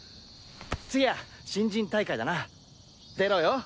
次は新人大会だな出ろよ。